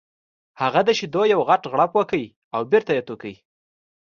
هغه د شیدو یو غټ غوړپ وکړ او بېرته یې تو کړ